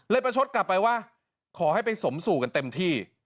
ประชดกลับไปว่าขอให้ไปสมสู่กันเต็มที่